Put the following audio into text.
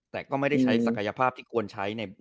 แต่ก็ไม่ได้ใช้ศักยภาพที่ควรใช้